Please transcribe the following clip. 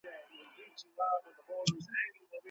که لیکنه په مینه وسي نو لوستونکی یې احساسوي.